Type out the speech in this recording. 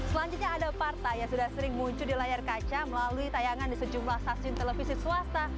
selanjutnya ada partai yang sudah sering muncul di layar kaca melalui tayangan di sejumlah stasiun televisi swasta